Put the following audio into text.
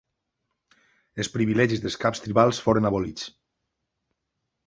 Els privilegis dels caps tribals foren abolits.